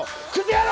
野郎！